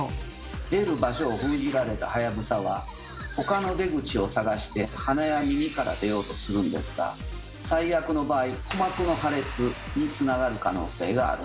出る場所を封じられた「はやぶさ」は他の出口を探して鼻や耳から出ようとするんですが最悪の場合鼓膜の破裂につながる可能性があるんです。